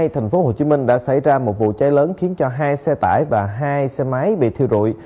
thành phố hồ chí minh đã xảy ra một vụ cháy lớn khiến cho hai xe tải và hai xe máy bị thiêu rụi